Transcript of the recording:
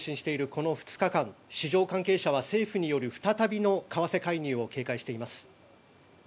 この２日間市場関係者は政府による再びの為替介入を警戒しています。